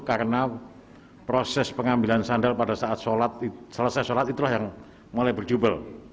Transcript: karena proses pengambilan sandal pada saat sholat selesai sholat itulah yang mulai berjubel